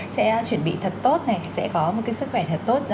sẽ chuẩn bị thật tốt sẽ có một cái sức khỏe thật tốt